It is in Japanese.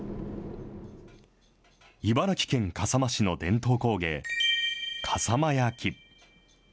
茨城県笠間市の伝統工芸、笠間焼。